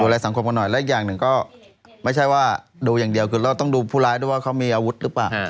อะไรสังคมกันหน่อยและอีกอย่างหนึ่งก็ไม่ใช่ว่าดูอย่างเดียวคือเราต้องดูผู้ร้ายด้วยว่าเขามีอาวุธหรือเปล่า